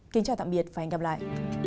kính chào tạm biệt và hẹn gặp lại